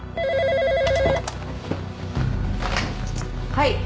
☎はい。